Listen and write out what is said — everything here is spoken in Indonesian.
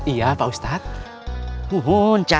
iya pak ustadz